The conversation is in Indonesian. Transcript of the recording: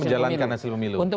oh menjalankan hasil pemilu